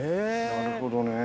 なるほどね。